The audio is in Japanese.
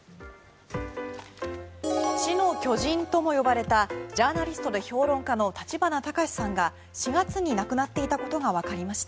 知の巨人とも呼ばれたジャーナリストで評論家の立花隆さんが４月に亡くなっていたことがわかりました。